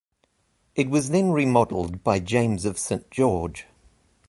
It was then remodelled by James of Saint George.